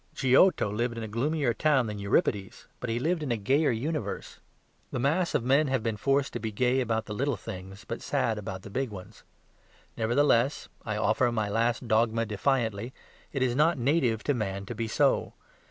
Giotto lived in a gloomier town than Euripides, but he lived in a gayer universe. The mass of men have been forced to be gay about the little things, but sad about the big ones. Nevertheless (I offer my last dogma defiantly) it is not native to man to be so.